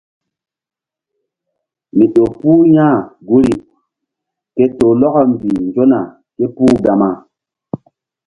Mi ƴo puh ya̧h guri ke toh lɔkɔ mbih nzona ké puh Gama.